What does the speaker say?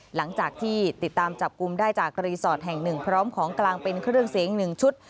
หลังจากที่ติดตามจับกลุ่มได้จากรีสอร์ทแห่งหนึ่งพร้อมของกลางเป็นเครื่องเสียง๑ชุด